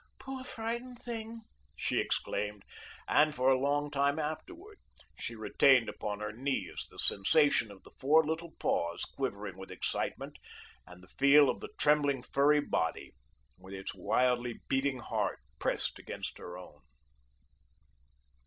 "Poor frightened thing," she exclaimed; and for a long time afterward, she retained upon her knees the sensation of the four little paws quivering with excitement, and the feel of the trembling furry body, with its wildly beating heart, pressed against her own.